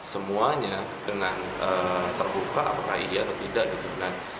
semuanya dengan terbuka apakah iya atau tidak